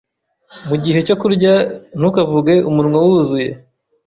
Mugihe cyo kurya, ntukavuge umunwa wuzuye.